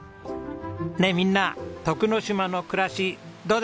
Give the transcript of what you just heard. ねえみんな徳之島の暮らしどうですか？